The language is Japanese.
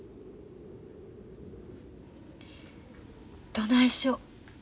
どないしょ。